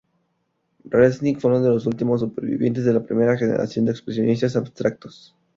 Resnick fue uno de los últimos supervivientes de la primera generación de expresionistas abstractos.